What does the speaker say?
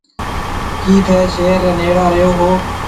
ڪِي ٿَي شهر ريَ نيڙا رهيو هون۔